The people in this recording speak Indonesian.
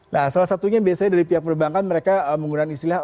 nah salah satunya biasanya dari pihak perbankan mereka menggunakan istilah